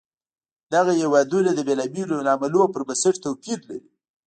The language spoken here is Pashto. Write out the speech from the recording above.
دغه هېوادونه د بېلابېلو لاملونو پر بنسټ توپیر لري.